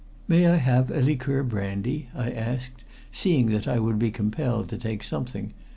"May I have a liqueur brandy?" I asked, seeing that I would be compelled to take something.